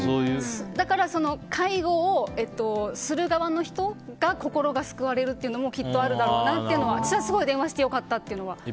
だから介護をする側の人が心が救われるというのもきっとあるだろうなと思って私はすごい電話して良かったというのはあります。